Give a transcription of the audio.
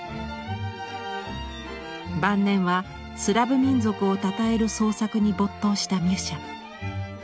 晩年はスラヴ民族をたたえる創作に没頭したミュシャ。